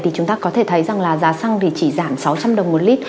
thì chúng ta có thể thấy rằng là giá xăng thì chỉ giảm sáu trăm linh đồng một lít